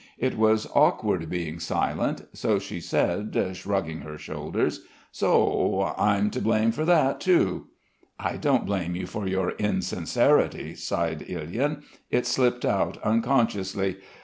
It was awkward being silent, so she said shrugging her shoulders: "So I'm to blame for that too?" "I don't blame you for your insincerity," sighed Ilyin. "It slipped out unconsciously.